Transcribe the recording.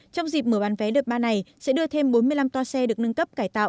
trong dịp mở bán vé đợt ba này sẽ đưa thêm bốn mươi năm toa xe được nâng cấp cải tạo